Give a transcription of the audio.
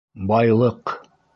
Байлыҡ!